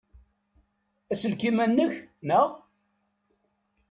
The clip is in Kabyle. Aselkim-a nnek, naɣ?